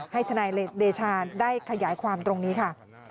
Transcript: ทนายเดชาได้ขยายความตรงนี้ค่ะ